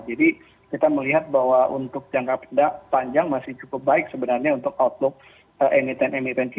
jadi kita melihat bahwa untuk jangka panjang masih cukup baik sebenarnya untuk outlook emiten emiten